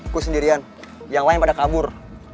aku sendirian yang lain pada kabur